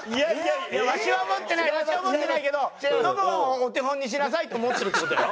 わしは思ってないわしは思ってないけどノブはお手本にしなさいって思ってるって事やろ？